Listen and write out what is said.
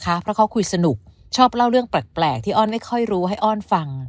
เพราะเขาคุยสนุกชอบเล่าเรื่องแปลกที่อ้อนไม่ค่อยรู้ให้อ้อนฟัง